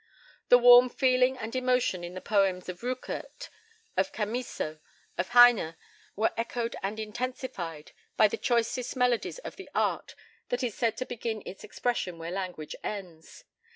The warm feeling and emotion in the poems of Rückert, of Chamisso, of Heine, were echoed and intensified by the choicest melodies of the art that is said to begin its expression where language ends.